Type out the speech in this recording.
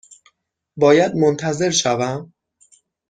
باید منتظر شوم؟